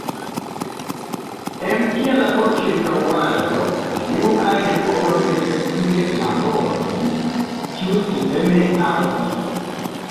En tia laborĉirkaŭaĵo neniu ajn povas efektive labori - ĉu skipeme aŭ ne.